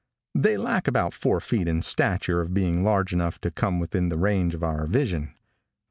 They lack about four feet in stature of being large enough to come within the range of our vision.